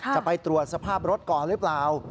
จะไปตรวจสภาพรถก่อนหรือเปล่า